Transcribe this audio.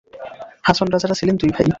হাছন রাজারা ছিলেন দুই ভাই।